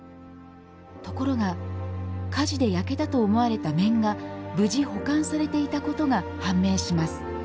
ところが、火事で焼けたと思われた面が無事保管されていたことが判明します。